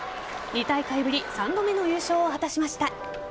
２大会ぶり３度目の優勝を果たしました。